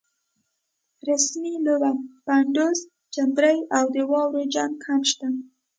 رسمۍ لوبه، پډوس، چندرۍ او د واورو جنګ هم شته.